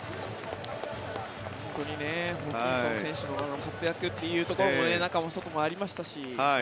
本当にホーキンソン選手の活躍というのも中も外もありましたし。